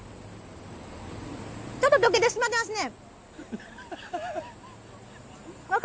ちょっととけてしまってますね。